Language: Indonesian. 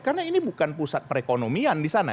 karena ini bukan pusat perekonomian di sana